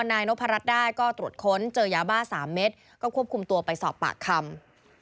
นายนพรัชได้ก็ตรวจค้นเจอยาบ้า๓เม็ดก็ควบคุมตัวไปสอบปากคำ